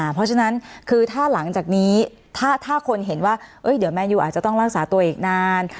เพราะฉะนั้นคือถ้าหลังจากนี้ถ้าคนเห็นว่าเดี๋ยวแมนยูอาจจะต้องรักษาตัวอีกนาน